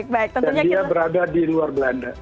dia berada di luar belanda